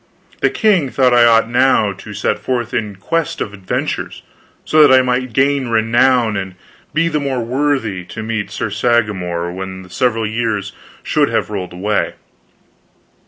The king thought I ought now to set forth in quest of adventures, so that I might gain renown and be the more worthy to meet Sir Sagramor when the several years should have rolled away.